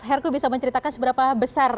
herku bisa menceritakan seberapa besar